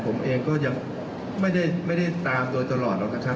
ผมเองก็ยังไม่ได้ตามโดยตลอดหรอกนะครับ